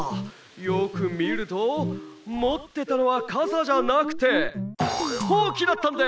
よくみるともってたのはかさじゃなくてホウキだったんです！